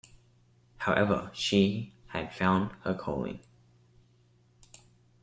However, she had found her calling.